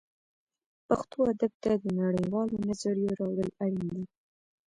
پښتو ادب ته د نړۍ والو نظریو راوړل اړین دي